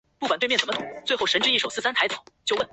某些新闻报道表示贝克曾试图贿选。